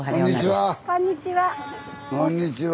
こんにちは。